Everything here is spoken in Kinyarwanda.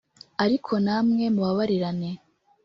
Ari ko namwe mubabarirana